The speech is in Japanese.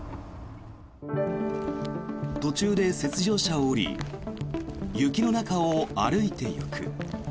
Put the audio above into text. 途中で雪上車を降り雪の中を歩いていく。